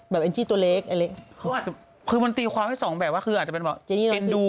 เสร็จ๓ตัวมิ้งจะเป็นไร